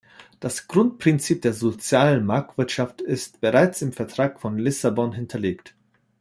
Das Grundprinzip der sozialen Marktwirtschaft ist bereits im Vertrag von Lissabon hinterlegt.